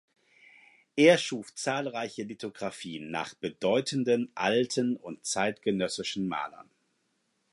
Er schuf zahlreiche Lithografien nach bedeutenden alten und zeitgenössischen Malern.